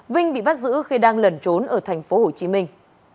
vinh bị bắt giữ khi đang lẩn trốn ở thành phố hồ chí minh